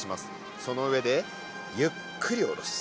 その上でゆっくり下ろす。